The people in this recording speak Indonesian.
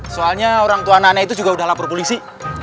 soalnya orang tua nana itu juga udah lapor polisi